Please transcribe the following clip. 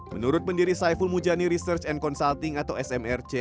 menurut pendiri saiful mujani research and consulting atau smrc